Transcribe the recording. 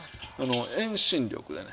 遠心力でね。